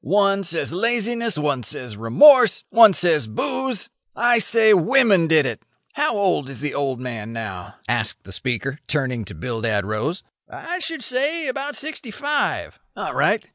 One says laziness; one says remorse; one says booze. I say women did it. How old is the old man now?" asked the speaker, turning to Bildad Rose. "I should say about sixty five." "All right.